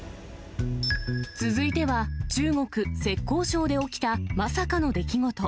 続いては、中国・浙江省で起きたまさかの出来事。